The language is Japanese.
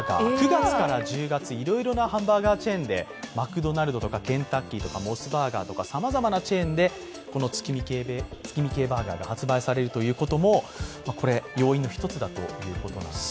９月から１０月いろいろなハンバーガーチェーンでマクドナルドとかケンタッキーとかモスバーガーとか、さまざまなチェーンで月見系バーガーが発売されるということも要因の一つだということです。